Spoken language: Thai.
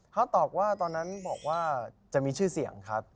เค้าตอกว่าตอนนั้นจะมีชื่อเสียงครับ